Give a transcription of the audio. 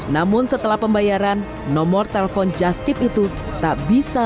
namun setelah pembayaran nomor telepon just tip itu tak berhasil